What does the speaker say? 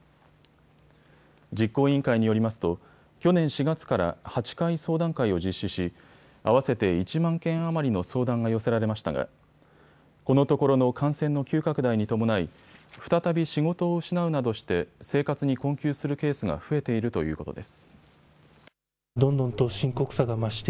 実行委員会によりますと去年４月から８回、相談会を実施し、合わせて１万件余りの相談が寄せられましたがこのところの感染の急拡大に伴い再び仕事を失うなどして生活に困窮するケースが増えているということです。